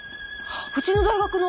うちの大学の。